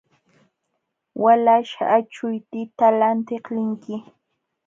Walaśh, achuutita lantiq linki.